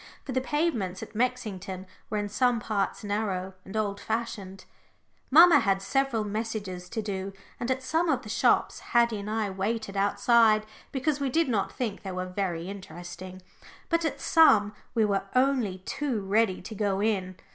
For the pavements at Mexington were in some parts narrow and old fashioned. Mamma had several messages to do, and at some of the shops Haddie and I waited outside because we did not think they were very interesting. But at some we were only too ready to go in.